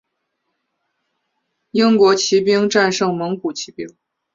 英国骑兵战胜蒙古骑兵。